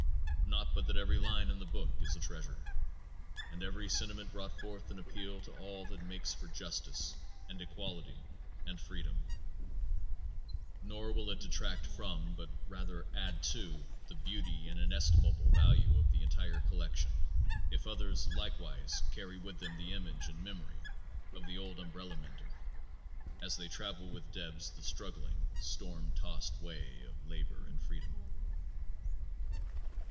_ _Not but that every line in the book is a treasure, and every sentiment brought forth an appeal to all that makes for justice, and equality, and freedom; nor will it detract from, but rather add to, the beauty and inestimable value of the entire collection if others, likewise, carry with them the image and memory of the old umbrella mender, as they travel with Debs the struggling, storm tossed way of Labor and Freedom.